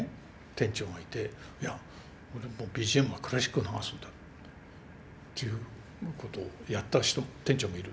店長がいて「いやＢＧＭはクラシックを流すんだ」っていうことをやった店長もいる。